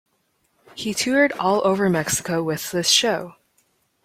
He toured all over Mexico with this show.